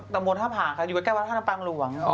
ตำบลถ้าผ่าค่ะอยู่ใกล้พระท่านลำปากหล่วง